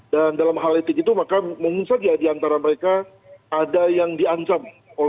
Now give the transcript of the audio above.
dan dalam hal etik itu maka mungkin saja di antara mereka ada yang diancam